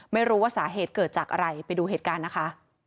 ไม่รู้ว่าสาเหตุเกิดจากอะไรไปดูเหตุการณ์นะคะ